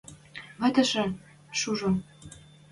Вӓтӹжӹ – Жужо.